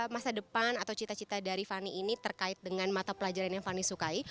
ketepan atau cita cita dari fani ini terkait dengan mata pelajaran yang fani sukai